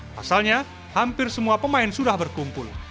pasalnya hampir semua pemain sudah berkumpul